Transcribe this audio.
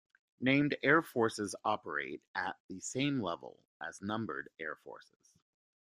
Named Air Forces operate at the same level as Numbered Air Forces.